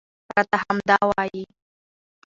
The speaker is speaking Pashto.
راته همدا وايي